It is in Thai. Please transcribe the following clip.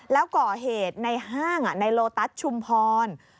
แล้วก่อเหตุในห้างในโลตัสชุมพร